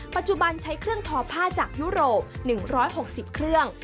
ปัจจุบันใช้เครื่องทอผ้าจากยุโรป๑๖๐เครื่อง